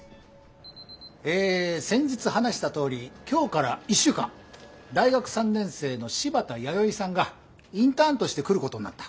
え先日話したとおり今日から１週間大学３年生の柴田弥生さんがインターンとして来ることになった。